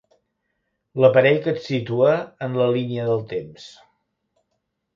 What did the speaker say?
L'aparell que et situa en la línia del temps.